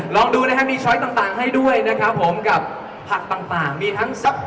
ลองดูนะครับมีช้อยต่างให้ด้วยนะครับผมกับผักต่างมีทั้งซัก